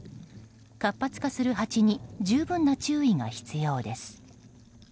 活発化するハチに十分な注意が必要です。